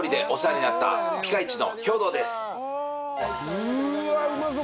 うわっうまそう！